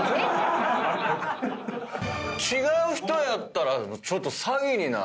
違う人やったらちょっと詐欺になるよ。